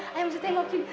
saya masih tengokin